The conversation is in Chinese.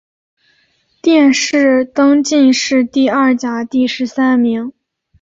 殿试登进士第二甲第十三名。